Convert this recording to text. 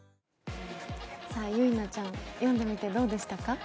ゆいなちゃん読んでみてどうでしたか。